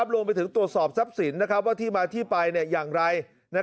รวมไปถึงตรวจสอบทรัพย์สินว่าที่มาที่ไปอย่างไร